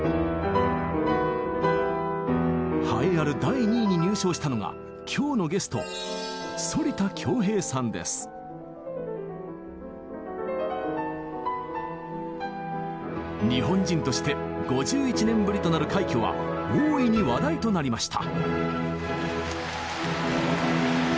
栄えある第２位に入賞したのが今日のゲスト日本人として５１年ぶりとなる快挙は大いに話題となりました。